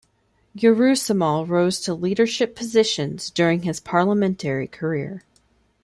Urusemal rose to leadership positions during his parliamentary career.